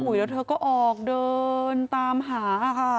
แล้วเธอก็ออกเดินตามหาค่ะ